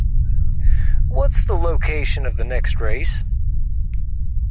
What's the location of the next race?